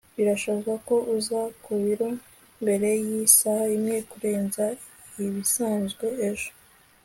Birashoboka ko uza ku biro mbere yisaha imwe kurenza ibisanzwe ejo